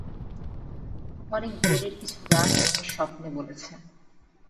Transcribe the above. অনেক দূরের কিছু গাছ আমাকে স্বপ্নে বলেছে।